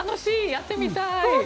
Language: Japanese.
やってみたい。